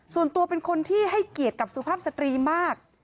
ส่วนตัวเป็นคนที่ให้เกียรติกับสุภาพสตรีมาก